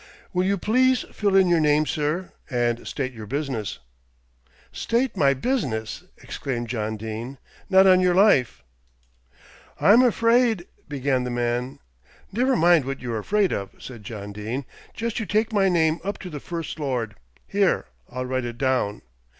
"Will you please fill in your name, sir, and state your business." "State my business," exclaimed John Dene, "not on your life." "I'm afraid " began the man. "Never mind what you're afraid of," said John Dene, "just you take my name up to the First Lord. Here, I'll write it down."